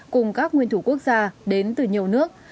cùng các nguyên thủ quốc gia đến từ nhiều nước